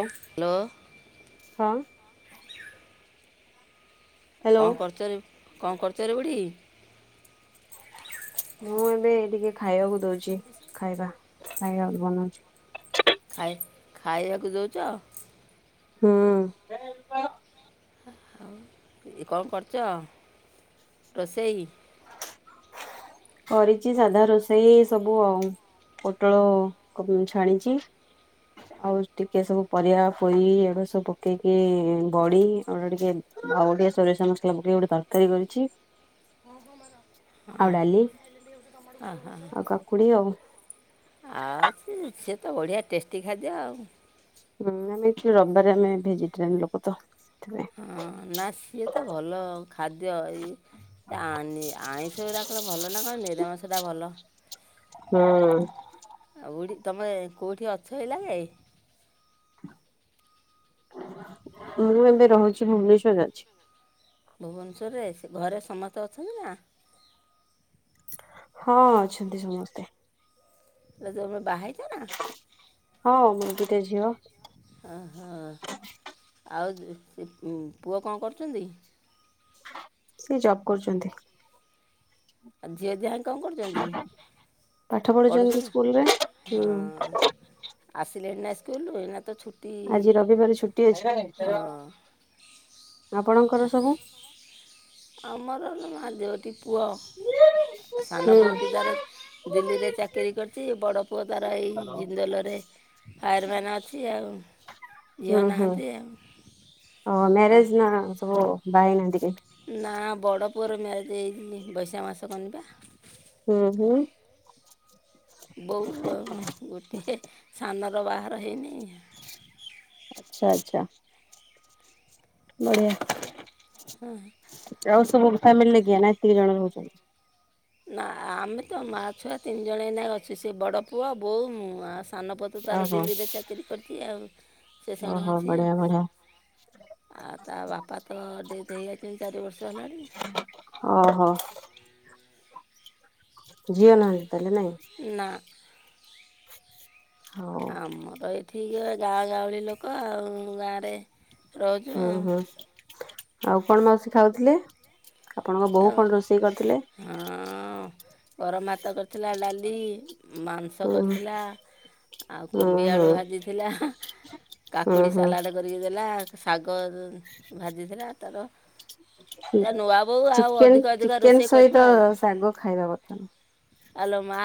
ଓ hello ହଁ। Hello କଣ କରୁଚରେ କଣ କରୁଚରେ ବୁଢ଼ି? ମୁଁ ଏବେ ଟିକେ ଖାଇବାକୁ ଦଉଛି ଖାଇବା ଖାଇବାକୁ ବନଉଛି। ଖାଇ ଖାଇବାକୁ ଦଉଚ? ହୁଁ। ଇ କଣ କରିଛ ରୋଷେଇ? କରିଛି ସାଧା ରୋଷେଇ ସବୁ ଆଉ ପୋଟଳ କ ଉଁ ଛାଣିଛି। [inaudible] ଆଉ ଟିକେ ସବୁ ପରିବା ପୋଇ ଏଗୁଡା ସବୁ ପକେଇକି ବଡ଼ି ଆଉ ଏଗୁଡା ଟିକେ। ଆଉ ଟିକେ ସୋରିଷ ମସଲା ପକେଇକି ଗୋଟେ ତରକାରୀ କରିଛି। ହଁ ହଁ ମାର। ଆଉ ଡ଼ାଲି ହଁ ଆଉ କାକୁଡ଼ି ଆଉ। ଆଉ ସେ ସେ ତ ବଢ଼ିଆ ଟେଷ୍ଟି ଖାଦ୍ୟ ଆଉ। ହୁଁ ଆମେ ଏଇଠି ରବିବାରେ ଆମେ ଭେଜିଟେରିଆନ୍ ଲୋକ ତ। ସେଥିପାଇଁ ହଁ ନା ସିଏ ତ ଭଲ ଖାଦ୍ୟ ଇ। ଏ ଆନି ଆଇଁଷ ଗୁରା କଣ ଭଲ ନା କଣ? ନିରାମିଷ ଟା ଭଲ। ହୁଁ। ଆଉ ବୁଢ଼ୀ ତମେ କଉଠି ଅଛ ଏଇଲା କେ? ମୁଁ ଏବେ ରହୁଛି ଭୁବନେଶ୍ଵର ଅଛି। ଭୁବନେଶ୍ୱରରେ ସେ ଘରେ ସମସ୍ତେ ଅଛନ୍ତି ନା? ହଁ ଅଛନ୍ତି ସମସ୍ତେ। ଲୋ ତମେ ବାହା ହେଇଛ ନା? ହଁ ମୋର ଦିଟା ଝିଅ। ଅ ହ ଆଉ ଇ ଇ ଉଁ ପୁଅ କଣ କରୁଛନ୍ତି? ସିଏ ଜବ୍ କରୁଛନ୍ତି। ଆଉ ଝିଅ ଦିହା କଣ କରୁଛନ୍ତି? ପାଠ ପଢୁଛନ୍ତି ସ୍କୁଲରେ ହଁ। ହୁଁ ଆସିଲେଣି ନା ଇସ୍କୁଲରୁ ଏଇନା ତ ଛୁ ଆଜି ରବିବାର ଛୁଟି ଅଛି ଆପଣଙ୍କର ସବୁ। ଆମର ଲୋ ମା ଦୋ ଟି ପୁଅ ସାନ ହୁଁ ପୁଅଟିି ତାର। ଦିଲ୍ଲୀରେ ଚାକିରି କରିଛି ବଡ଼ ପୁଅ ତାର ଏଇ ଜିନ୍ଦଲରେ। ଫାୟାରମ୍ୟାନ ଅଛି ଆଉ ହୁଁ ଝିଅ ହୁଁ ନାହାନ୍ତି ଆଉ। ଓ ଅ, ମ୍ୟାରେଜ ନା ଆଁ ସବୁ। ବାହା ହୋଇନାହାନ୍ତି କେହି? ନା ବଡ଼ ପୁଅର ମ୍ୟାରେଜ୍ [unintelligible] ବୈଶାଖ ମାସ କନି ପା। ହୁଁ ହୁଁ। ବୋଉ ଆଉ ଗୋଟିଏ ସାନର ବାହାଘର ହେଇନି। ଆଚ୍ଛା ଆଚ୍ଛା। ବଢ଼ିଆ। ହଁ ହଁ। ଆଉ ସବୁ ଫ୍ୟାମିଲି ରେ କିଏ ନା ଏତିକି ଜଣ ରହୁଛନ୍ତି? ନାଆ ଆମେ ତ ମାଆ ଛୁଆ ତିନି ଜଣ ଏଇନା ଅଛୁ ସେ ବଡ଼ ପୁଅ ବୋଉ ମୁଁ ଆ ସାନପୁଅ ତ ତାର ଓହୋ ଦିଲ୍ଲୀରେ ଚାକିରି କରିଛି ଆଉ ସେଷେଣେ ଓହୋ ଅଛି ଆଉ। ବଢିଆ ବଢିଆ ଆଉ ତା ବାପା ତ ଡେଥ୍ ହେଇଯାଇଛନ୍ତି ଚାରି ବର୍ଷ ହେଲାଣି। ଓହୋ। ଝିଅ ନାହାନ୍ତି ତାହେଲେ ନାଇଁ? ନାଁ। ହଉ। ଆମର ଏଠିକ ଗାଁ ଗାଉଁଳି ଲୋକ ଆଉ ଗାଁରେ ରହୁଛୁ ହୁଁ ଆଉ ହୁଁ ଆଉ କଣ ମାଉସୀ ଖାଉଥିଲେ? ଆପଣଙ୍କ ବୋଉ ଆଉ କଣ ରୋଷେଇ କରିଥିଲେ? ହଁ ଗରମ ଭାତ କରିଥିଲା ଡ଼ାଲି। ମାଂସ ହୁଁ କରିଥିଲା ଆଉ ହୁଁ କୋବି ହୁଁ ଆଳୁ ଭାଜିଥିଲା। ହୁଁ କାକୁଡ଼ି ହୁଁ ସାଲାଡ଼ କରିକି ଦେଲା ଶାଗ ଭାଜିଥିଲା ତାର ଏ ନୂଆ ବୋଉ ଆଉ ଚିକେ ଅଧିକ ଅଧିକ ଚିକେନ ରୋଷେଇ କରିବା ସହିତ ଆଉ ଶାଗ ଖାଇବା କଥା ନୁହ। ଆଲୋ ମା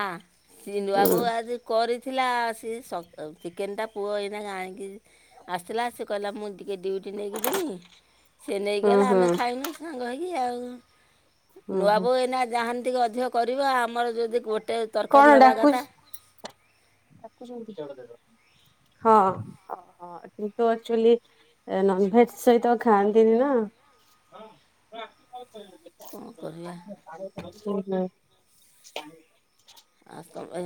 ସିନୁଆବୁ ନୁହଁ। ଆଜି କରିଥିଲା ସିଏ ସ ଚିକେନ୍ଟା ପୁଅ ଏଇନା ଆଣିକି ଆସିଥିଲା ସିଏ କହିଲା ମୁଁ ଟିକେ ଡିଉଟି ନେଇକି ଯିବି ସେ ନେଇକି ହୁଁ ଗଲେ ହୁଁ ହୁଁ ଆମେ ଖାଇନୁ ସାଙ୍ଗ ହେଇକି ଆଉ। ହୁଁ ହୁଁ ନୂଆବୋହୁ ଏନା ଯାହାନ୍ତିକି ଅଧିକ କରିବା ଆମର ଯଦି ଗୋଟେ କଣ ତରକାରୀ ହେବା ଡାକୁଚ କଥା ହଁ। ହଁ କିନ୍ତୁ ଆଚୁଆଲି ନନଭେଜ ସହିତ ଖାଆନ୍ତିନି ନା। [inaudible] କ'ଣ କରିବା ଆ ତମେ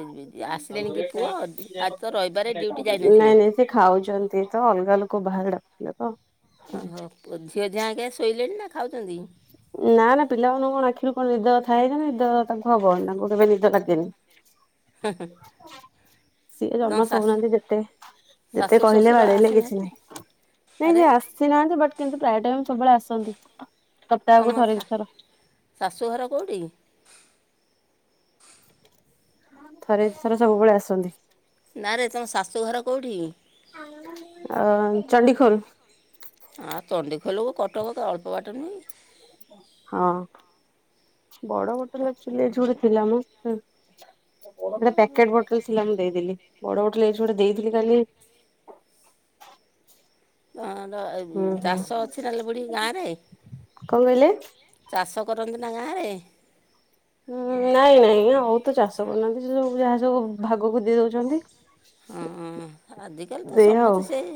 ଏମିତି ଆସିଲେଣି କି ପୁଅ ଆଜି ତ ରହିବାରେ ଡ୍ୟୁଟି ନାଇଁ ଯାଇନଥିବେ। ନାଇଁ ସେ ଖାଉଛନ୍ତି ତ ଅଲଗା ଲୋକ ବାହାର ଡାକୁଥିଲେ ତ। ଓହୋ ପୁଝିଅଝି ଆଜ୍ଞା ଶୋଇଲେଣି ନା ଖାଉଛନ୍ତି। ନା ନା ପିଲାମାନଙ୍କୁ କଣ ଆଖିରୁ କଣ ନିଦ ଥାଏଇ ଯେ ନିଦ ତାଙ୍କୁ ହବନ ତାଙ୍କୁ କେବେ ନିଦ ଲାଗେନି। ହୁଁ, ହୁଁ। ସିଏ ଜମାଶଉନାହାନ୍ତି ଯେତେ ଯେତେ ଶାଶୁ କହିଲେ ଶ୍ୱଶୁର ବାଡେଇଲେ କିଛି ଆସିନାହାନ୍ତି ନାହିଁ। ନାଇଁ ଆରେ ସେଇ ଆସିନାହାନ୍ତି ବଟ୍ କିନ୍ତୁ ପ୍ରାୟ ଟାଇମ ସବୁବେଳେ ଆସନ୍ତି। ସପ୍ତାହକୁ ତମ ଥରେ ଷା ଦିଥର। ଶାଶୁଘର କଉଠି? ଥରେ ଥରେ ସବୁବେଳେ ଆସନ୍ତି। ନାରେ ତୁମ ଶାଶୁଘର କଉଠି? ଅ ଚଣ୍ଡିଖୋଲ। ଆଁ ଚଣ୍ଡି ଖୋଲକୁ କଟକ ଅଳ୍ପ ବାଟ ନୁହେଁ। [unintelligible] ଗୋଟେ ପ୍ୟାକେଟ ବୋଟଲ ଥିଲା ମୁଁ ଦେଇଦେଲି ବଡ ବୋଟଲଇ ଗୋଟେ ଦେଇଥିଲି କାଁ ହର ହୁଁ ହୁଁ ଚାଷ ଅଛି ନହେଲେ ବୁଢ଼ୀ ଗାଁରେ। କଣ କହିଲେ ଚାଷ କରନ୍ତି ନା ଗାଁରେ। ହଁ ନାଇଁ ନାଇଁ ଆଉ ତ ଚାଷ କରୁନାହାନ୍ତି ସେ ସବୁ ଯାହା ସବୁ ଭାଗକୁ ଦେ ଦଉ ହଁ ଆଜିକାଲି ତ ଦେଇ ଆଉ ସମସ୍ତେ ସେଇ।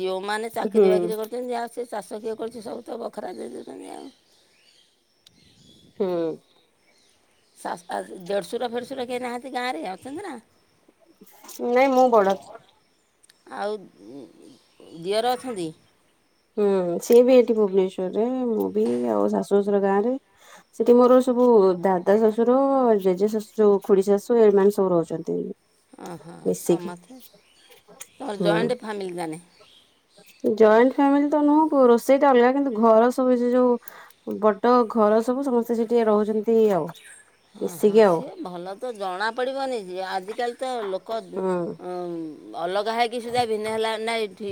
ଯିଉଁମାନେ ହୁଁ ଚାକିରି ବାକିରି କରୁଛନ୍ତି ଆଉ ସେ ଚାଷ କିଏ କରୁଛି ସବୁ ତ ବଖରା ଦେଇ ଦେଉଛନ୍ତି ଆଉ। ହୁଁ। ସା ଦେଢଶୁର ଫେଢଶୁରା କେଇନାହାନ୍ତି ଗାଁରେ ଆଉ ଛନ୍ତି ନା। ନାଇଁ ମୁଁ ବଡ। ଆଉ ଦିଅର ଅଛନ୍ତି। ହୁଁ ସିଏ ବି ଏଠି ଭୁବନେଶ୍ଵରରେ ମୁଁ ବି ଆଉ ଶାଶୁ ଶ୍ୱଶୁର ଗାଁ ରେ। ସେଠି ମୋର ସବୁ ଦାଦା ଶାଶୁର ଜେଜେ ଶାଶୁର ଯୋଉ ଖୁଡି ଶାଶୁ ଏମାନେ ସବୁ ରହୁଛନ୍ତି। ଓ ହଁ ମିଶିକି ସମସ୍ତେ ତୋର ହୁଁ ଜଏଣ୍ଟ ଫ୍ୟାମିଲି ଜାନେ। ଜଏଣ୍ଟ ଫ୍ୟାମିଲି ତ ନୁହଁ ରୋଷେଇଟା ଅଲଗା କିନ୍ତୁ ଘର ସବୁ ଜେ ଯୋଉ ବଟ ଘର ସବୁ ସମସ୍ତେ ସେ ଟିକେ ରହୁଛନ୍ତି। ହଉ। ହଁ ହଁ ସିଏ ଭଲ ତ ଜଣାପଡ଼ିବନି ଯେ ଆଜିକାଲି ତ ଲୋକ ଉଁ ହୁଁ ଅଲଗା ହେକି ସୁଧା ଭିନ୍ ହେଲା ନାଇଁଠି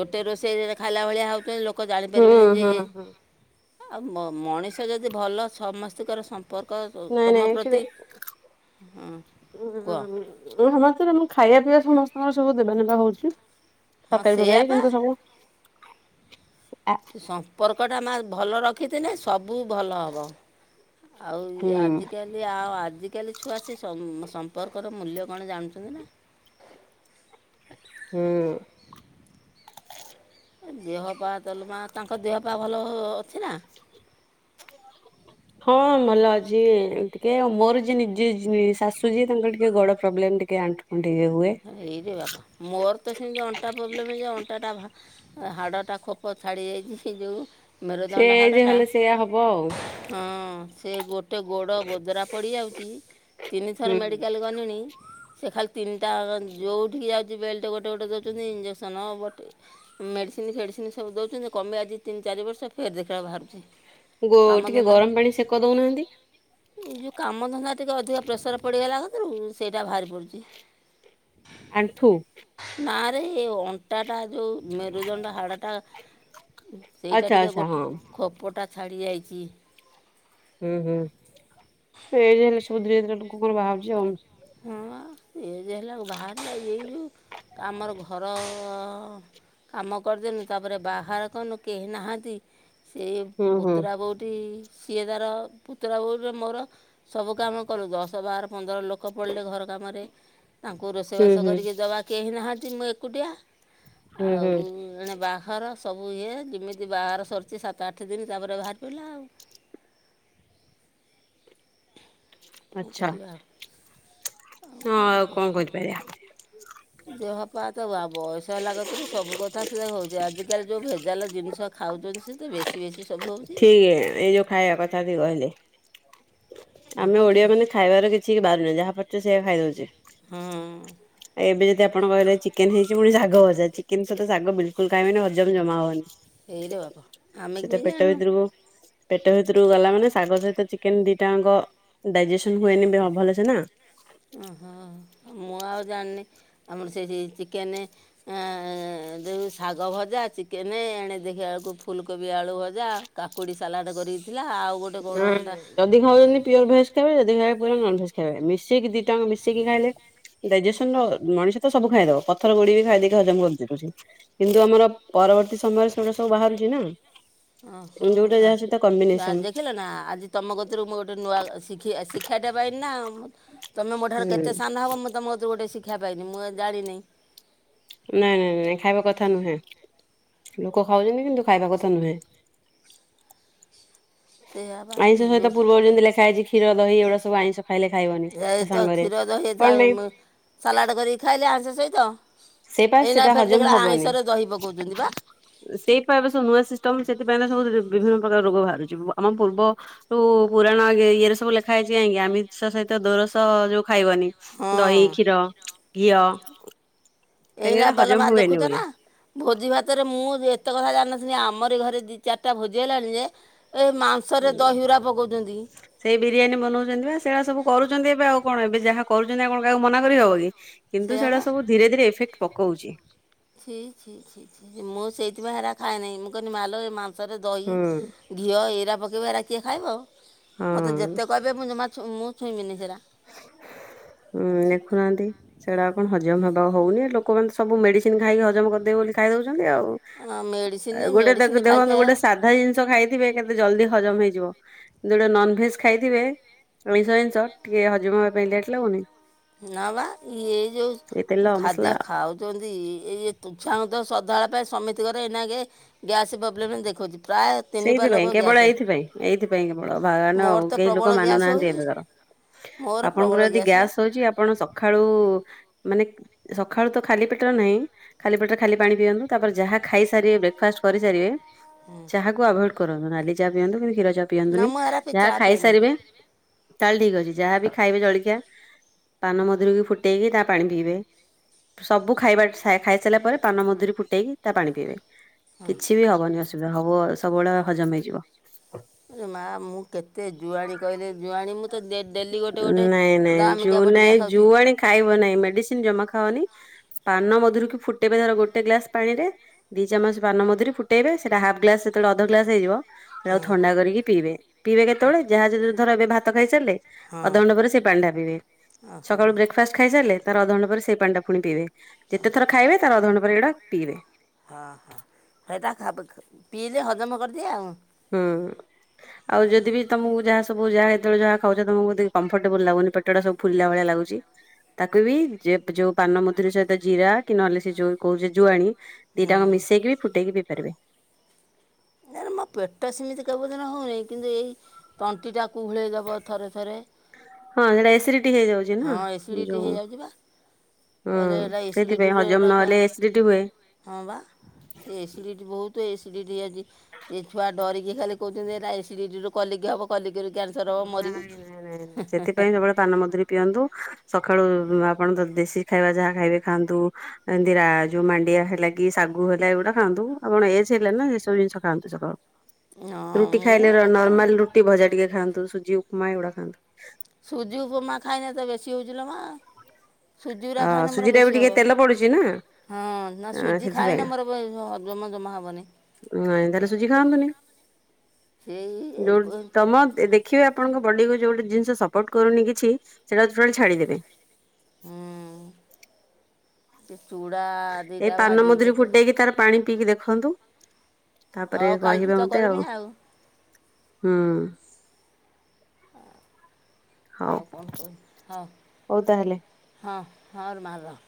ଗୋଟେ ରୋଷେଇ ଖାଇଲା ଭଳିଆ ହଉଛନ୍ତି। ଲୋକ ଜାଣିପାରିବେନି ହୁଁ ଯେ ହୁଁ ଇଏ ହୁଁ ଆଉ ମଣିଷ ଯଦି ଭଲ ସମସ୍ତଙ୍କର ସମ୍ପର୍କ ନାଇଁ ତୁମ ନାଇଁ ଆକ୍ଚୁଆଲି ପ୍ରତି ହ କୁହ। ସମସ୍ତେ ମୁଁ ଖାଇବା ପିଇବା ସମସ୍ତଙ୍କର ସବୁ ଦେବା ନେବା ହଉଛି। ହଁ ତକାରୀ ସେଇଆ ଫକାରୀ ପା କିନ୍ତୁ ସବୁ ଆ ସମ୍ପର୍କ ଟା ମା ଭଲ ରଖିଥିଲେ ସବୁ ଭଲ ହବ। ଆଉ ଇ ହୁଁ ଆଜିକାଲି ହେ ଆଉ ଆଜିକାଲି ଛୁଆ ସେ ସମ୍ପର୍କର ମୂଲ୍ୟ କଣ ଜାଣୁଛନ୍ତି ନା। ହୁଁ। ଦେହ ପା ତଲ ମା ତାଙ୍କ ଦେହପା ଭଲ ଅଛି ନା। ହଁ ଭଲ ଅଛି ଟିକେ। ଆ ମୋର ଯେ ଯିଏ ଶାଶୁ ଯିଏ ତାଙ୍କର ଟିକେ ଗଡ ପ୍ରୋବ୍ଲେମ ଟିକେ ଆଣ୍ଠୁ ଫଣ୍ଠି ଇଏ ହୁଏ। ଏଇ ଯେ ବାପା ମୋର ତ ସେମିତି ଅଣ୍ଟା ପ୍ରୋବ୍ଲେମ୍ ଯେ ଅଣ୍ଟାଟା ହାଡଟା ଖୋପ ଛାଡି ଯାଇଛି ସେ ଯୋଉ। ସେ ମେରୁଦଣ୍ଡ ଯେ ହାଡଟା ହେଲେ ସେଇଆ ହବ ଆଉ ହଁ। ସେ ଗୋଟେ ଗୋଡ ଗୋଦରା ପଡି ଯାଉଛି। ତିନି ଥର ହୁଁ। ମେଡିକାଲ ଗଲିଣି। ସେ ଖାଲି ତିନିଟା ଯୋଉଠିକି ଯାଉଛି ବେଲ୍ଟ ଗୋଟେ ଗୋଟେ ଦେଉଛନ୍ତି। ଇଞ୍ଜେକ୍ସନ ବଟିକା ମେଡିସିନ ଫେଡିସିନ ସବୁ ଦଉଛନ୍ତି। କମେ ଆଜି ତିନି ଚାରି ବର୍ଷ ଫେରେ ଦେଖିଲ ବାହାରୁଛି। ଗୋ ଟିକେ କାମଧନ୍ଦା ଗରମ ପାଣି ସେକ ଦଉନାହାନ୍ତି। ଏଇ ଯେଉଁ କାମ ଧନ୍ଦା ଟିକି ଅଧିକ ପ୍ରେସର ପଡିଗଲା କଥିରୁ ସେଇଟା ବାହାରି ପଡୁଛି। ଆଣ୍ଠୁ। ନା ରେ ଏ ଅଣ୍ଟାଟା ଯୋଉ ମେରୁଦଣ୍ଡ ହାଡଟା ଆଚ୍ଛା ସେଇଟା ଟିକେ ଆଚ୍ଛା ହଁ ଗୋଟ ଖୋପଟା ଛାଡି ଯାଇଛି। ହୁଁ ହୁଁ ଏଇଯ ହେଲେ ସବୁ ଧୀରେ ଧୀରେ ଲୋକ କଣ ବାହାରୁଛି ଆଉ। ହଁ। ଇଏ ଯେ ହେଲା ବାହାରିଲା। ଏଇ ଯୋଉ ଆମର ଘର କାମ କରିଦେନୁ। ତାପରେ ବାହାର କନୁ କେହି ନାହାନ୍ତି। ସେ ହୁଁ ହୁଁ ବୁତୁରା ବୋଉଠି ସିଏ ତାର ପୁତୁରା ବୋଉ ବି ମୋର ସବୁ କାମ କଲୁ। ଦଶ ବାର ପନ୍ଦର ଲୋକ ଲୋକ ପଡିଲେ ଘର କାମରେ। ତାଙ୍କୁ ରୋଷେଇ ହୁଁ ବାସ ହୁଁ କରିକି ଦେବା କେହି ନାହାନ୍ତି। ମୁଁ ଏକୁଟିଆ। ହୁଁ ଆଉ ହୁଁ ଏଣେ ବାଘର। ସବୁ ଇଏ ଯେମିତି ବାହାର ସରିଛି। ସାତ ଆଠ ଦିନ ତାପରେ ବାହାର ପଡିଲା ଆଉ। [inaudible] କଣ କରିବା? ଆଉ କଣ କହ। ଦେହପା ତ ବୟସ୍ ହେଲା କରୁ ସବୁ କଥା ସେ ହଉଛି। ଆଜିକାଲି ଯେଉ ଭେଜାଲ ଜିନିଷ ଖାଉଛନ୍ତି। ସେ ବେଶୀ ବେଶୀ ସବୁଉ ଠିକ ଏଇ ଯଉ। ଖାଇବା କଥା ଦେଇ କହିଲେ। ଆମେ ବହୁତ ଓଡିଆ ମାନେ ଖାଇବାର କିଛି ବାରୁନେ। ଯାହା ପାରୁଛେ ସେଇଆ ଖାଇ ଦଉଛେ। ହଁ। ଆ ଏବେ ଯଦି ଆପଣ କହେ ଚିକେନ ହେଇଛି। ପଣି ଶାଗ ଭଜା ଚିକେନ ସହିତ ଶାଗ ବିଲକୁଲ ଖାଇଁବେନି ହଜମ ଜମା ହବନି। ଏଇରେ ବାପ ଆମେ ସେଟା କେମିତି ପେଟ ଜାଣିନୁ ଭିତୁରୁକୁ ପେଟ ଭିତରୁକୁ ଗଲା ମାନେ ଶାଗ ସହିତ ଚିକେନ ଦିଟାଙ୍କ ଡାଇଜେସନ ହୁଏନି ଭଲ। ଛ ନା। ଓହୋ ମୁଁ ଆଉ ଜାଣିନି। ଆମର ସେଠ ଚିକେନ ଏ ଯେଉ ଶାଗ ଭଜା ଚିକେନେ ଏଣେ ଦେଖିବା ବେଳକୁ ଫୁଲକୋବି ଆଳୁ ଭଜା। କାକୁଡି ସାଲାଡ କରଥିଲା। ଆଉ ଗୋଟେ କଣ ନାଇଁ ହେଟା ନାଇଁ ଯଦି ଖାଇବେ ପିଅର ଭେଜ ଖାଇବେ। ଯଦି ଖାଇବେ ପୁରା ନନଭେଜ ଖାଇବେ। ମିଶିକି ଟଙ୍କ ମିଶିକି ଖାଇଲେ ଡାଇଜେସନ ର ମଣିଷ ସବୁ ଖାଇଦବ। ପଥର ଗୁଡି ବି ଖାଇଦକି ହଜମ କରିଦଉଛି। କିନ୍ତୁ ଆମର ପରବର୍ତ୍ତୀ ସମୟରେ ସେଟା ସବୁ ବାହାରୁଛି ନା। ଯୋଉଟା ଯାହା ସହିତ ଓହୋ କମ୍ବିନେସନ ଦେଖିଲ ନା ଆଜି ତମ କତରୁ ମୁଁ ଗୋଟେ ନୂଆ ଶି ଶିକ୍ଷାଟା ପାଇଁ ନା? ତମେ ମୋ ହୁଁ ଠାରୁ କେତେ ସାନ ହବ ମୁଁ ତମକତୁରୁ ଗୋଟେ ଶିକ୍ଷା ପାଇନି ମୁଁ ଜାଣିନି। ନାଇଁ ନାଇଁ ନାଇଁ ଖାଇବା କଥା ନୁହେଁ ଲୋକ ଖାଉଛନ୍ତି କିନ୍ତୁ ଖାଇବା କଥା ନୁହେଁ। ସେଇଆ ବା ଆଇଁଷ ଯେଉଁ ସହିତ ପୂର୍ବ ଯେମିତି ଲେଖା ହେଇଛି କ୍ଷୀର ଦହି ଏଗୁଡା ଆଇଁସ ଖାଇଲେ ଖାଇବନି। ଏ ତ ସାଙ୍ଗରେ କ୍ଷୀର ଦହି କଣ ପାଇଁ [unintelligible] ସାଲାଡ କରିକି ଖାଇଲେ ଆସ ସହିତ। ସେଇ ପା ଏଇନା ସେଟା ଫେର ହଜମ ଦେଖିଲା ହବନି। ଆଇଁଷରେ ଦହି ପକଉଛନ୍ତି ବା। ସେଇପା ଏବେ ସବୁ ନୂଆ ସିଷ୍ଟମ ସେଥିପାଇଁ ତ ସବୁ ବିଭିନ୍ନ ପ୍ରକାର ରୋଗ ବାହାରୁଛି ଆମ ପୂର୍ବ ଜୁ ପୁରାଣ ଇଏରେ ସବୁ ଲେଖା ହେଇଛି କାଁକି ଆମିଷ ସହିତ ଦୋରସ ଯୋଉ ଖାଇବନି ହଁ। ଦହି, କ୍ଷୀର, ଘିଅ। କାହିଁକି ଏଇନା ଏଟା ବାଲ ହଜମ ମା ହୁଏନି ଦେଖୁଛ ବୋଲି ନା। ଭୋଜି ଭାତରେ ମୁଁ ଏତେ କଥା ଜାଣିନଥିଲି ଆମରି ଘରେ ଦୁଇ ଚାରିଟା ଭୋଜି ହେଲାଣି ଯେ ଏ ମାଂସରେ ଦହିଗୁରା ପକାଉଛନ୍ତି। ସେଇ ବିରିୟାନୀ ବନଉଛନ୍ତି ବା ସେଇଭଳିଆ ସବୁ କରୁଛନ୍ତି ଏବେ ଆଉ କଣ ଏବେ ଯାହା କରୁଛନ୍ତି ଆଉ କଣ କାହାକୁ ମନା କରିହବ କି। କିନ୍ତୁ ସେଇଆ ସେଇଟା ବା ସବୁ ଧୀରେ ଧୀରେ ଇଫେକ୍ଟ ପକଉଛି। ଛି ଛି ଛି ଛି ଛି ମୁଁ ସେଇଥିପାଇଁ ହେରା ଖାଏ ନାହିଁ ମୁଁ କହିଲି ମାଲୋ ଏ ମାଂସରେ ଦହି ହୁଁ ଘିଅ ଏଇରା ପକେଇବ ଏରା କିଏ ଖାଇବ। ହଁ ମୋତେ ଯେତେ କହିବେ ମୁଁ ଜମା ମୁଁ ଛୁଇଁବିନି ସେଇରା। ହୁଁ ଦେଖୁନାହାନ୍ତି ସେଇଟା କଣ ହଜମ ହବା ହଉନି ଲୋକମାନେ ସବୁ ମେଡି ମେଡ଼ିସିନ ଖାଇକି ହଜମ କରିଦେବେ ବୋଲି ଖାଇଦଉଛନ୍ତି ଆଉ। ମେଡ଼ିସିନ ଗୋଟେ ମେଡ଼ିସିନ ଦେଖ ଖାଇ ଦେଖନ୍ତୁ ଗୋଟେ ଖାଇକା ସା ସାଧା ଜିନିଷ ଖାଇଥିବେ କେତେ ଜଲଦି ହଜମ ହେଇଯିବ। ଯୋଉଟା ନନଭେଜ ଖାଇଥିବେ ଅଇଁଷ ଜିନିଷ ଟିକେ ହଜମ ହେବା ପାଇଁ ଲେଟ୍ ଲାଗୁନି। ନା ବା ଇ ଏ ଏଇ ତେଲ ଯୋଉ ଖାଦ୍ୟ ମସଲା ଖାଉ ଯେମିତି ଏଇ [unintelligible] ଶ୍ରଦ୍ଧାଳ ପାଇଁ ସମିତି ଘରେ ନେଇକି। ଗ୍ୟାସ ପ୍ରୋବ୍ଲମ୍ ଦେଖାଉଛି ପ୍ରାୟ ତିନି ପା ଲୋକ ସେଇଥିପାଇଁ କେବଳ ଗ୍ୟାସ୍ ଏଇଥିପାଇଁ ଏଇଥିପାଇଁ କେବଳ [unintelligible] ମୋର ଆଉ ତ କେହି ଲୋକ ପ୍ରବଳ ଗ୍ୟାସ୍ ମାନୁନାହାନ୍ତି ହେଉଛି ଏବେକାର। ମୋର ପ୍ରବଳ ଆପଣଙ୍କର ଯଦି ବା ଗ୍ୟାସ୍ ହଉଛି। ଆପଣ ସକାଳୁମାନେ ସକାଳୁ ତ ଖାଲି ପେଟରେ ନାହିଁ। ଖାଲି ପଟରେ ଖାଲି ପାଣି ପିଅନ୍ତୁ ତାପରେ ଯାହା ଖାଇସାରିବେ ବ୍ରେକ ଫାଷ୍ଟ କରିସାରିବେ। ହୁଁ। ଚା କୁ ଆଭଡ କରନ୍ତୁ ନାଲି ଚା ପିଅନ୍ତୁ କିନ୍ତୁ କ୍ଷୀର ଚା ନା ପିଅନ୍ତୁନି ମୁଁ ହେରା ପି ଯାହା ଚା ପିଏନି ଖାଇସାରିବେ ତାହେଲେ ଠିକ ଅଛି ଯାହା ବିି ଖାଇବେ ଜଳଖିଆ ପାନ ମଧୁରିକୁ ଫୁଟେଇକି ତା ପାଣି ପିଇବେ। ସବୁ ଖାଇବା ଖାଇ ସାରିଲା ପରେ ପାନମଧୁୁରୀ ଫୁଟେଇକି ତା ପାଣି ପିଇବେ। ହଁ କିଛି ବି ହବନି ଅସୁବିଧା ହବ ସବୁବେଳେ ହଜମ ହେଇଯିବ। ରେ ମା ମୁଁ କେତେ ଜୁଆଣୀ କହିଲେ ଜୁଆଣୀ ମୁଁ ତ ଡେଲି ଗୋଟେ ଗୋଟେ ନାଇଁ ନାଇଁ ଜୁ ଦାମିକିଆ ନାଇଁ ବଟିିକା ଖାଉଛି। ଜୁଆଣି ଖାଇବ ନାହିଁ ମେଡିସିନ ଜମା ଖାଅନି ପାନମଧୁରୀକୁ ଫୁଟେଇବେ ଧର ଗୋଟେ ଗ୍ଲାସ ପାଣିରେ ଦି ଚାମଚ ପାନମଧୁରୀ ଫୁଟେଇବେ ସେଇଟା ହାପ୍ ଗ୍ଲାସ ସେତେବେଳେ ଅଧ ଗ୍ଲାସ ହେଇଯିବ ସେଟାକୁ ଥଣ୍ଡା କରିକି ପିଇବେ। ପିଇବେ କେତେବେଳେ ଯାହା ଯ ଧର ଏବେ ଭାତ ଖାଇସାରିଲେ ହଁ ଅଧଘଣ୍ଟା ପରେ ସେଇ ପାଣିଟା ପିଇବେ। ଓହୋ ସକାଳୁ ବ୍ରେକ ଫାଷ୍ଟ ଖାଇସାରିଲେ ତାର ଅଧଘଣ୍ଟା ପରେ ସେଇ ପାଣିଟା ପୁଣି ପିଇବେ। ଯେତେ ଥର ଖାଇବେ ତାର ଅଧଘଣ୍ଟା ପରେ ଏଇଟା ପିଇବେ। ହଁ ହଁ ହେଇଟା ଖାବ ପିଇଲେ ହଜମ କରିଦିଏ ଆଉ। ହୁଁ। ଆଉ ଯଦି ବି ତମକୁ ଯାହା ସବୁ ଯାହା ଯେତେବେଳେ ଯାହା ଖାଉଛ ତମକୁ ଯଦି କଫର୍ଟବୁଲ ଲାଗୁନି ପେ ପେଟ ଟା ସବୁ ଫୁଲିଲା ଭଳିଆ ଲାଗୁଛି ତାକୁ ବି ଯେ ଯୋଉ ପାନମଧୁରୀ ସହିତ ଜିରା କି ନହେଲେ ସେ ଯଉ କହୁଛ ଜୁଆଣି ଦିଟାଙ୍କ ହୁଁ ମିଶେଇକି ବି ଫୁଟେଇକି ପାରିବେ। ନା ମୋ ପେଟ ସେମିତି କବଧାନ ହଉନାହିଁ କିନ୍ତୁ ଏଇ ତଣ୍ଟିଟା କୁହୁଳେଇ ଦେବ ଥରେ ଥରେ। ହଁ ସେଇଟା ଏସିଡିଟି ହେଇଯାଉଛି ନା ହଁ ଏସିଡ଼ିଟି ଯଉ ହେଇଯାଉଛି ବା ଉଁ କହିଲେ ଏଇଟା ସେଇଥିପାଇଁ ଏସିଡ଼ିଟିରେ ହଜମ ଏଇଟା କୁହ। ନହେଲେ ଏସିଡିଟି ହୁଏ। ହଁ ବା ସେ ଏସିଡ଼ିଟି ବହୁତ ଏସିଡ଼ିଟି ହେଇଚି। ସେ ଛୁଆ ଡରିକି ଖାଲି କହୁଛନ୍ତି ଏରା ଏସିଡିଟି ରୁ କଲିକି ହବ କଲିକିରୁ କ୍ୟାନ ନାଇଁ ନାଇଁ ନାଇଁ ନାଇଁ ସେଥିପାଇଁ ଜମା ପାନମଧୁରୀ ପିଅନ୍ତୁ। ସକାଳୁ ଆପଣ ଦେଶୀ ଖାଇବା ଯାହା ଖାଇବେ ଖାଆନ୍ତୁ। ଏନ୍ଦିରା ଯୋଉ ମାଣ୍ଡିଆ ହେଲା କି ଶାଗୁ ହେଲା ଏଗୁଡା ଖାଆନ୍ତୁ। ଆପଣ ଏଜ ହେଲାଣି ନା ଏସବୁ ଜିନିଷ ଖାଆନ୍ତୁ ସକାଳୁ। ହଁ ରୁଟି ମୁଁ ଖାଇଲେ ର ଏଇଟା ଖାଏନି ନର୍ମାଲ ରୁଟି ଭଜା ଟିକେ ଖାଆନ୍ତୁ ସୁଜି ଉପମା ଏଗୁଡା ଖାଆନ୍ତୁ। ସୁଜି ଉପମା ଖାଇଲେ ତ ବେଶୀ ହେଉଛି ଲୋ ମା। ସୁଜି ଗୁରା ଅ ଖାଇଲେ ମୋର ସୁଜି ଟା ବି ବେଶୀ ଟିକେ ହବ। ତେଲ ପଡୁଛି ନା ହଁ ନା ସୁଜି ସେଥିପାଇଁ ଖାଇନେ ମୋର ହଜମ ଜମା ହବନି। ଏନ୍ତି ହେଲେ ସୁଜି ଖାଆନ୍ତୁନି। ସେଇ ଯୋଉ ତମ ଦେ ଦେଖିବେ ଆପଣଙ୍କ ବଡ଼ିକୁ ଯୋଉ ଜିନିଷ ଟା ସପୋର୍ଟ କରୁନି କିଛି ସେଟା ଟୋଟାଲ ଛାଡ଼ିଦେବେ। ହୁଁ ସେ ଚୁଡ଼ା ଏଇ ଦିଟା ପାନ ଭାଜିକି ମଧୁରୀ କେତେବେଳେ ଫୁଟେଇକି ତାର ପାଣି ପିଇକି ଦେଖନ୍ତୁ। ତାପରେ ହଉ କାଲିଠୁ କହିବେ ତ ମତେ କରମି ଆଉ। ହୁଁ ହଁ ହଉ ଆଉ କଣ। [unintelligible] ହଉ ତାହେଲେ। ହଁ ହଁ ରେ ମା ରହ।